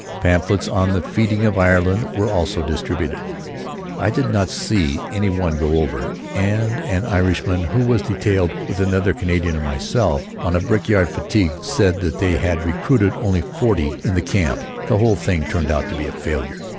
Pamphlets on the freeing of Ireland were also distributed. I did not see any one go over, and an Irishman who was detailed with another Canadian and myself on a brickyard fatigue said that they had recruited only forty in the camp. The whole thing turned out to be a failure.